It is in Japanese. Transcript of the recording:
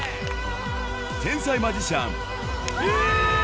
天才マジシャン・え！